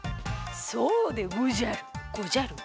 そうでごじゃる！